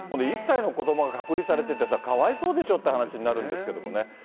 １歳の子どもが隔離されてて、それは、かわいそうでしょっていう話になるんですけどね。